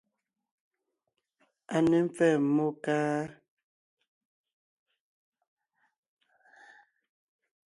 A ne mpfɛ́ɛ mmó, káá?